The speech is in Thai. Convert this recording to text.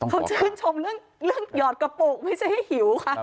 เขาชื่นชมเรื่องหยอดกระปุกไม่ใช่ให้หิวค่ะ